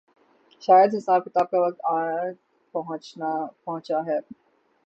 شاید حساب کتاب کا وقت آن پہنچا ہے۔